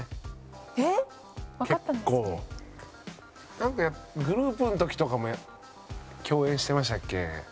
なんかグループの時とかも共演してましたっけ？